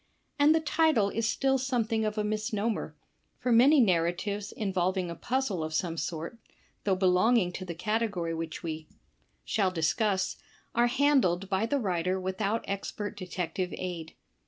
And the title is still some thing of a misnomer, for many narratives involving a puzzle of some sort, though belonging to tEe^category which we DETECTIVE STORIES 45 shall discuss, are handled by the writer without expert detective aid.